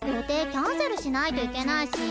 キャンセルしないといけないし。